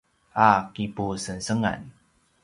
a kipusengsengan